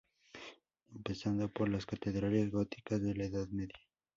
Empezando por las catedrales góticas de la edad media.